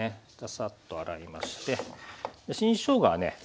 ササッと洗いまして新しょうがはね